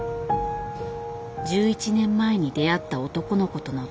１１年前に出会った男の子との動画。